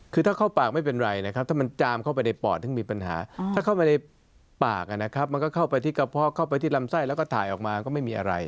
คือถ้าเข้าปากไม่เป็นไรนะครับถ้ามันจามเข้าไปในปอดถึงมีปัญหาถ้าเข้าไปในปากนะครับมันก็เข้าไปที่กระเพาะเข้าไปที่ลำไส้แล้วก็ถ่ายออกมาก็ไม่มีอะไร